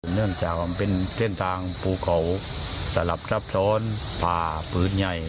เนื่องจากมันเป็นเส้นทางภูเขาสลับซับซ้อนผ่าพื้นใหญ่